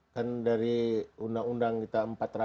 dan dari undang undang kita